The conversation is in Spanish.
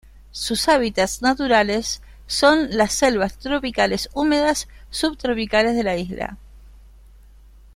Sus hábitats naturales son las selvas tropicales húmedas subtropicales de la isla.